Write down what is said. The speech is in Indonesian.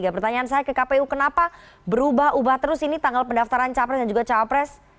pertanyaan saya ke kpu kenapa berubah ubah terus ini tanggal pendaftaran capres dan juga cawapres